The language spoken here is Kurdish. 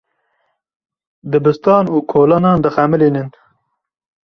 Dibistan û kolanan dixemilînin.